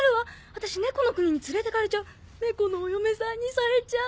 私猫の国に連れて行かれちゃう猫のお嫁さんにされちゃう。